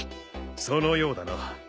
そのようだな。